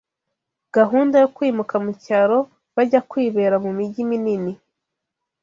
gahunda yo kwimuka mu cyaro bajya kwibera mu mijyi minini.